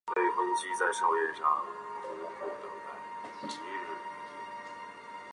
院名又著名学者袁行霈题写。